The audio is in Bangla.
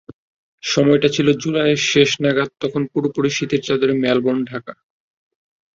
সময়টা ছিল জুলাইয়ের শেষ নাগাদ, তখন পুরোপুরি শীতের চাঁদরে মেলবোর্ন ঢাকা।